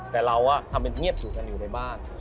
แต่เราทำมันเงียบสุดท้านอยู่ในบ้าน